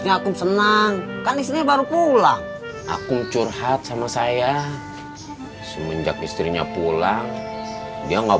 yang terberas beras tailor badanmu